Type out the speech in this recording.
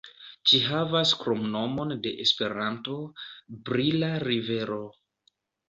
Ĝi havas kromnomon de Esperanto, "Brila Rivero".